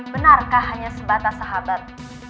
benarkah hanya sebatas sahabat